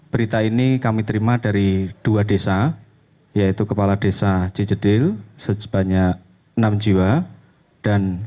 berita ini kami terima dari dua desa yaitu kepala desa cijedil sebanyak enam jiwa